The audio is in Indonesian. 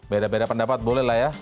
beda beda pendapat boleh lah ya